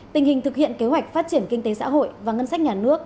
tình hình thực hiện kế hoạch phát triển kinh tế xã hội và ngân sách nhà nước